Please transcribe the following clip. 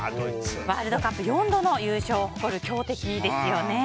ワールドカップ４度の優勝を誇る強敵ですよね。